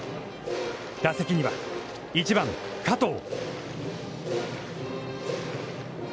打席には１番加藤。